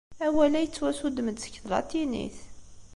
Awal-a yettwassuddem-d seg tlatinit.